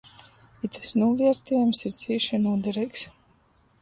Itys nūviertiejums ir cīši nūdereigs.